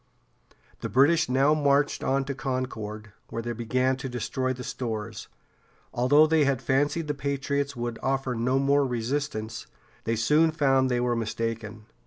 The British now marched on to Concord, where they began to destroy the stores. Although they had fancied the patriots would offer no more resistance, they soon found they were mistaken.